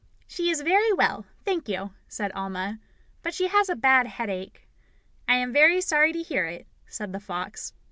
"She is very well, thank you," said Alma, "but she has a bad headache." "I am very sorry to hear it," said the fox.